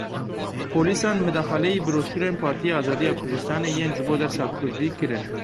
Polîsan midaxaleyî broşurên Partiya Azadiya Kurdistanê yên ji bo dersa kurdî kirin.